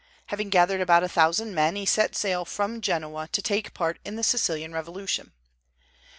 Having gathered about a thousand men, he set sail from Genoa to take part in the Sicilian revolution.